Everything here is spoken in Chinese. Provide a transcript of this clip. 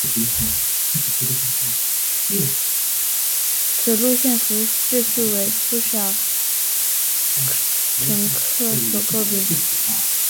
此路线服务质素为不少乘客所诟病。